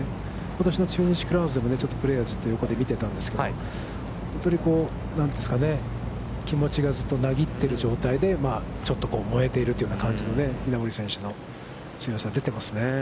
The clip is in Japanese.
ことしの中日クラウンズでもちょっとプレーヤーズずっと見てたんですけど、本当に気持ちがなぎっている状態でちょっと燃えているというような感じの稲森選手の強さが出ていますね。